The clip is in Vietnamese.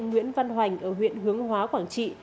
nguyễn văn hoành ở huyện hướng hóa quảng trị